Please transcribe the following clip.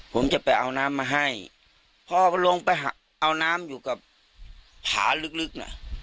ผมจะไปเอาน้ำมาให้พอลงไปเอาน้ำอยู่กับผาลึกน่ะ